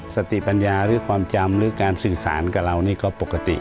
สติปัญญาหรือความจำหรือการสื่อสารกับเรานี่ก็ปกติ